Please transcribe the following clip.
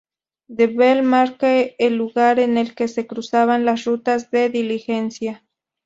The Bell marca el lugar en el que se cruzaban las rutas de diligencia.